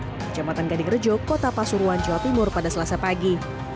kecamatan gadingrejo kota pasuruan jawa timur pada selasa pagi